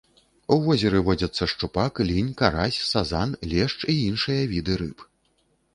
У возеры водзяцца шчупак, лінь, карась, сазан, лешч і іншыя віды рыб.